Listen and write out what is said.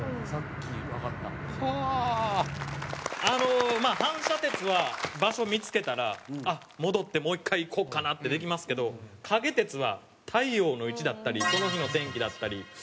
あのまあ反射鉄は場所見つけたら戻ってもう１回行こうかなってできますけど影鉄は太陽の位置だったりその日の天気だったり。